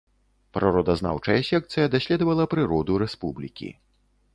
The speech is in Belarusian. Прыродазнаўчая секцыя даследавала прыроду рэспублікі.